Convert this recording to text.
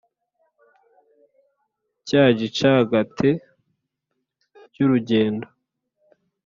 Cya gicagate cy' urugendo